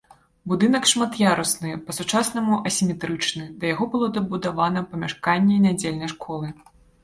Будынак шмат'ярусны, па-сучаснаму асіметрычны, да яго было дабудавана памяшканне нядзельнай школы.